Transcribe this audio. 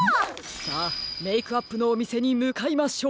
さあメイクアップのおみせにむかいましょう！